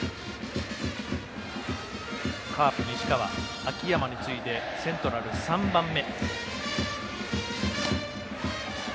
カープ、西川、秋山に次いでセントラル３本目。